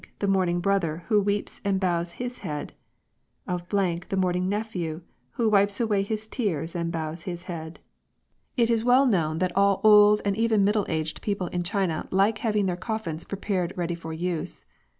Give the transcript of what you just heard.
the mourning brother who weeps and bows his head : of .... the mourn ing nephew who wipes away his tears and bows his head." :funerals. 175 It is well known that all old and even middle aged people in China like having their coffins prepared ready for use.